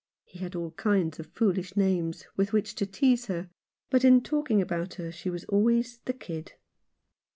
He had all kinds of foolish names with which to tease her, but in talking about her she was always "the kid."